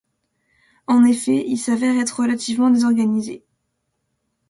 En effet, il s'avère être relativement désorganisé.